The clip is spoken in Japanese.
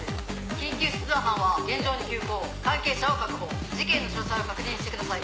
緊急出動班は現場に急行関係者を確保事件の詳細を確認してください